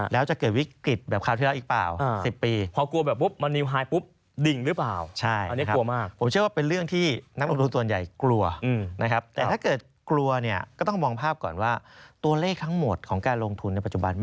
แล้วจะเกิดวิกฤตแบบคราวที่แล้วอีกหรือเปล่า